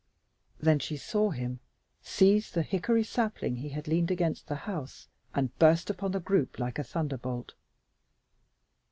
Then she saw him seize the hickory sapling he had leaned against the house, and burst upon the group like a thunderbolt.